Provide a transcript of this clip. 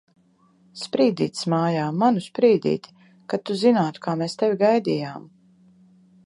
Sprīdītis mājā! Manu Sprīdīti! Kad tu zinātu, kā mēs tevi gaidījām!